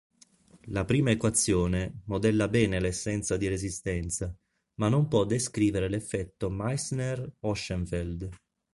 La prima equazione modella bene l'assenza di resistenza ma non può descrivere l'effetto Meissner-Ochsenfeld.